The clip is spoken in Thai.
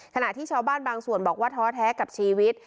ขณะที่ชาวบ้านบางส่วนบอกว่าท้อแท้กับชีวิต